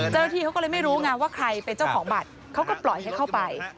เจ้าหน้าที่เขาก็เลยไม่รู้ไงว่าใครเป็นเจ้าของบัตรเขาก็ปล่อยให้เข้าไป